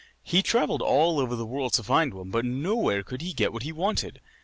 He travelled all over the world to find one, but nowhere could he get what he wanted.